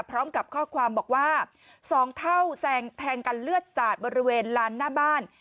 พร้อมกับข้อความบอกว่า๒เท่าแทงกันเลือดสาดบริเวณลานหน้าบ้าน